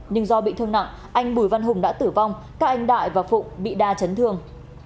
nhưng do bị thương nặng anh bùi văn hùng đã tử vong các anh đại và phụng bị đa chấn thương